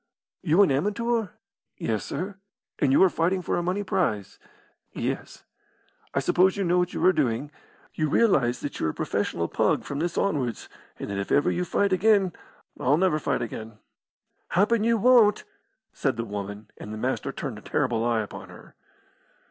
"You an amateur?" "Yes, sir." "And you are fighting for a money prize?" "Yes." "I suppose you know what you are doing? You realise that you're a professional pug from this onwards, and that if ever you fight again " "I'll never fight again." "Happen you won't," said the woman, and the Master turned a terrible eye upon her.